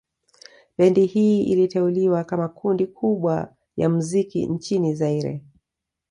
Bendi hii iliteuliwa kama kundi kubwa ya muziki nchini Zaire